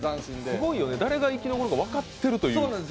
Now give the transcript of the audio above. すごいよね、誰が生き残るか分かっているっていう。